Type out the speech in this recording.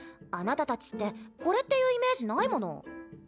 あなたたちってこれっていうイメージないもの。